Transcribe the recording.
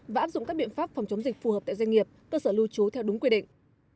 và áp dụng các biện pháp phòng chống dịch phù hợp tại doanh nghiệp cơ sở lưu trú theo đúng quy định